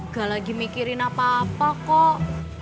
gak lagi mikirin apa apa kok